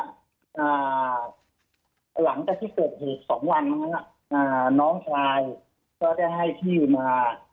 หลังจากที่เกิดเหตุสองวันนั้นอ่ะอ่าน้องพลายก็ได้ให้ที่มา